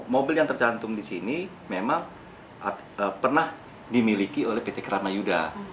mobil yang tercantum di sini memang pernah dimiliki oleh pt kramayuda